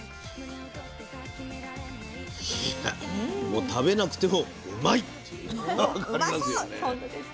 いやもう食べなくてもうまいっていうのが分かりますね。